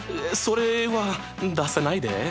それは出さないで。